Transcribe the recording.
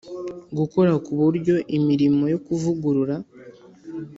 Gukora ku buryo imirimo yo kuvugurura